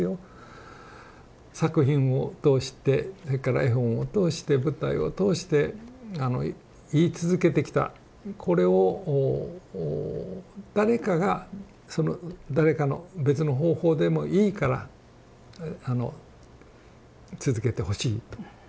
作品を通してそれから絵本を通して舞台を通して言い続けてきたこれを誰かがその誰かの別の方法でもいいから続けてほしいと。